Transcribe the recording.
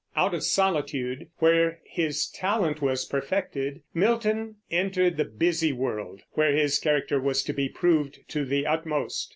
Out of solitude, where his talent was perfected, Milton entered the busy world where his character was to be proved to the utmost.